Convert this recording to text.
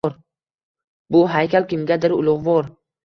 Bu haykal kimgadir ulugʼvor